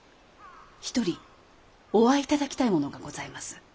一人お会い頂きたい者がございます。